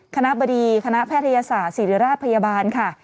คณะบดีคณะแพทยศาสตร์ศิริราชพยาบาลค่ะ